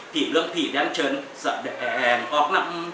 กี่เรื่องผิดแหย่งชนแสดงออกน้ำ